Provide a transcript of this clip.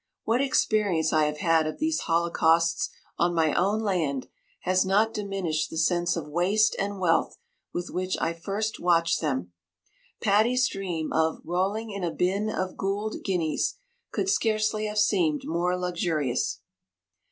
What experience I have had of these holocausts on my own land, has not diminished the sense of waste and wealth with which I first watched them. Paddy's dream of 'rolling in a bin of gould guineas,' could scarcely have seemed more luxurious.